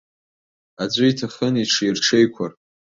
Аӡәы иҭахын иҽирҽеиқәар.